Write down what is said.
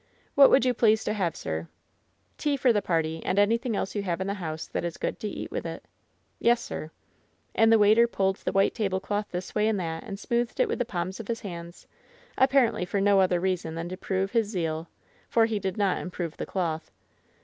'^What would you please to have, sir ?" "Tea for the party, and anything else you have in the house that is good to eat with iV^ "Yes, sir/' And the waiter pulled the white tablecloth this way and that and smoothed it with the palms of his hands, apparently for no other reason than to prove his zeal, for he did not improve the cloth.